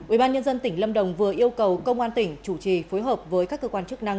ubnd tỉnh lâm đồng vừa yêu cầu công an tỉnh chủ trì phối hợp với các cơ quan chức năng